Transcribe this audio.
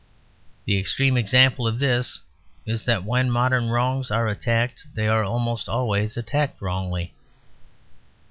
The extreme example of this is that when modern wrongs are attacked, they are almost always attacked wrongly.